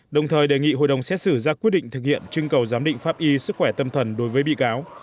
đồng thời đề nghị hội đồng xét xử ra quyết định thực hiện chương cầu giám định pháp y sức khỏe tâm thần đối với bị cáo